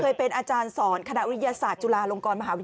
ท่านเคยเป็นอาจารย์สอนคณะวิทยาศาสตร์จุฬาลงกรมหาวิทยาลัย